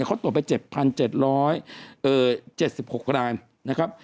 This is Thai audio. เขาตรวจไป๗๗๖รายนะครับ